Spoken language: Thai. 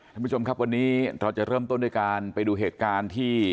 ท่านผู้ชมครับวันนี้เราจะเริ่มต้นด้วยการไปดูเหตุการณ์ที่